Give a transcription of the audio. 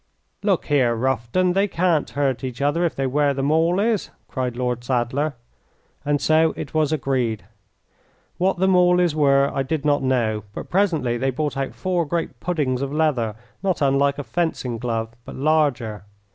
"Look here, Rufton, they can't hurt each other if they wear the mawleys," cried Lord Sadler. And so it was agreed. What the mawleys were I did not know, but presently they brought out four great puddings of leather, not unlike a fencing glove, but larger.